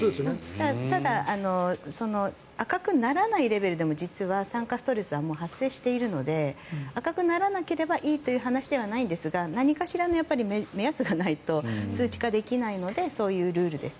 ただ、赤くならないレベルでも実は酸化ストレスはもう発生しているので赤くならなければいいという話ではないですが何かしらの目安がないと数値化できないのでそういうルールです。